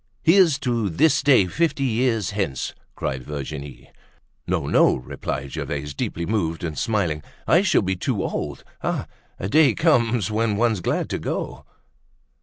"Here's to this day fifty years hence!" cried Virginie. "No, no," replied Gervaise, deeply moved and smiling; "I shall be too old. Ah! a day comes when one's glad to go."